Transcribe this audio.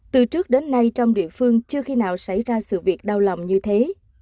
từ trước đến nay trong địa phương chưa khi nào xảy ra sự việc đau lòng như thế